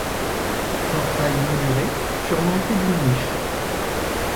Portail mouluré, surmonté d’une niche.